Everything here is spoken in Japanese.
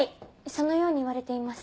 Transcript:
そのようにいわれています。